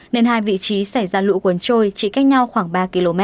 nên hai vị trí xảy ra lũ cuốn trôi chỉ cách nhau khoảng ba km